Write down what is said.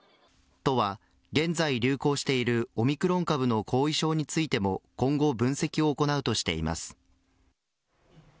都は、現在流行しているオミクロン株の後遺症についても今後分析を行うとしています。